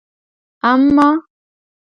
اما